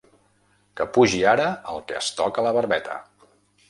Que pugi ara el que es toca la barbeta...